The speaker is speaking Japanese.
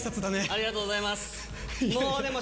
ありがとうございます。